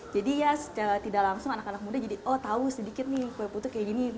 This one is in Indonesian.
jadi ya secara tidak langsung anak anak muda jadi oh tau sedikit nih kue putu kayak gini